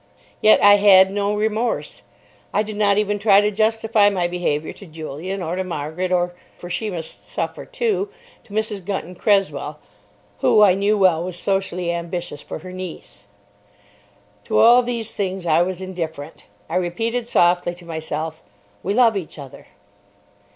Yet I had no remorse. I did not even try to justify my behaviour to Julian or to Margaret, or—for she must suffer, too—to Mrs. Gunton Cresswell, who, I knew well, was socially ambitious for her niece. To all these things I was indifferent. I repeated softly to myself, "We love each other."